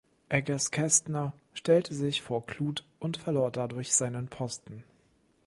Eggers-Kestner stellte sich vor Kluth und verlor dadurch seinen Posten.